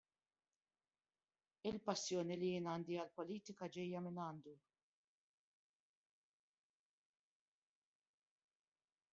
Il-passjoni li jien għandi għall-politika ġejja mingħandu.